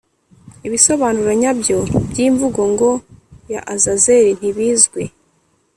Ibisobanuro nyabyo by imvugo ngo ya Azazeli ntibizwi